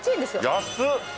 安っ！